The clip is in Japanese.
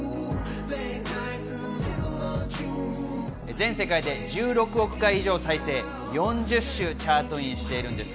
全世界で１６億回以上再生、４０週チャートインしています。